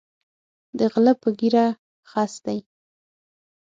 د غلۀ پۀ ږیره خس دی